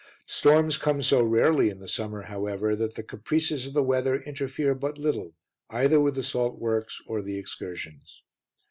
Storms come so rarely in the summer, however, that the caprices of the weather interfere but little either with the salt works or the excursions.